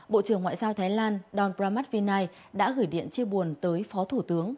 bộ trưởng ngoại giao thái lan don pramat vinai đã gửi điện chia buồn tới phó thủ tướng